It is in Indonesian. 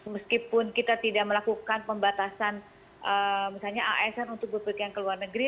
meskipun kita tidak melakukan pembatasan misalnya asn untuk berpikir yang ke luar negeri